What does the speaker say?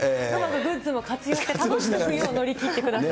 グッズも活用して、楽しく冬を乗り切ってください。